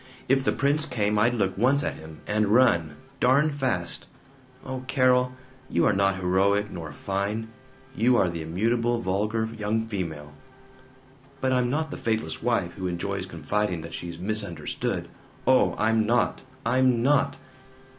If the Prince came I'd look once at him, and run. Darn fast! Oh, Carol, you are not heroic nor fine. You are the immutable vulgar young female. "But I'm not the faithless wife who enjoys confiding that she's 'misunderstood.' Oh, I'm not, I'm not!